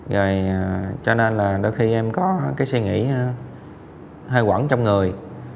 rồi cho nên là đôi khi em có cái suy nghĩ hay quẩn trong người